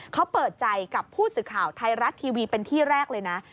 เขาเปิดใจกับผู้สื่อข่าวไทยรัฐทีวีเป็นที่แรกเลยนะ